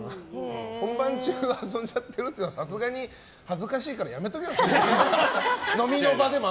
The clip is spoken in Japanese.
本番中遊んじゃってるっていうのは恥ずかしいからやめておけよ。